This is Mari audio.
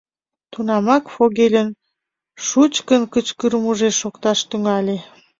Тунамак Фогельын шучкын кычкырымыже шокташ тӱҥале.